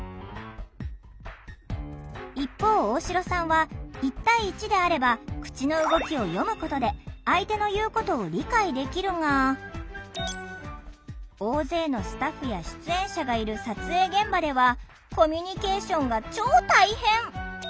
一方大城さんは１対１であれば口の動きを読むことで相手の言うことを理解できるが大勢のスタッフや出演者がいる撮影現場ではコミュニケーションが超大変！